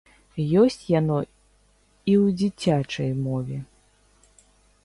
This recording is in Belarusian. Ёсць яно і ў дзіцячай мове.